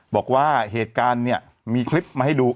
บอกว่าเหตุการณ์เนี่ยมีคลิปมาให้ดู